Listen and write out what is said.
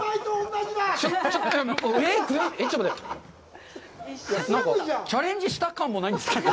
なんかチャレンジした感もないんですけど。